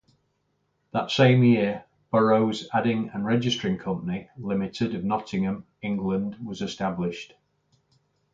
That same year, Burroughs Adding and Registering Company, Limited of Nottingham, England was established.